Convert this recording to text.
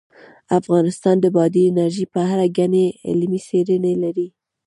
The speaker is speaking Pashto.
افغانستان د بادي انرژي په اړه ګڼې علمي څېړنې لري.